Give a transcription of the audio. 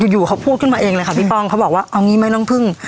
อยู่เขาพูดขึ้นมาเองเลยค่ะพี่ป้องเขาบอกว่าเอางี้ไม่ต้องพึ่ง